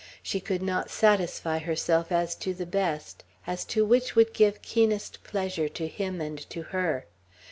She could not satisfy herself as to the best; as to which would give keenest pleasure to him and to her.